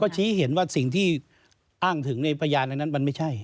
ชี้เห็นว่าสิ่งที่อ้างถึงในพยานอันนั้นมันไม่ใช่